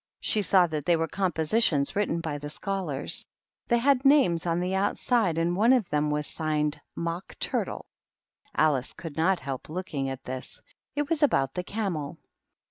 She saw that they were compositions written by the scholars; they had names on the outside, and one of them was signed " Mock Turtle." Alice could not help looking at this. It was about the Camel.